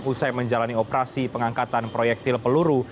usai menjalani operasi pengangkatan proyektil peluru